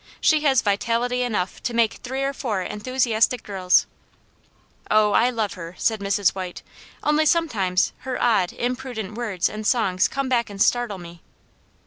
She has vitality enough to make three or four enthusiastic girls." "Oh, I love her," said Mrs. White. *' Only some times her odd, imprudent words and songs come back and startle me."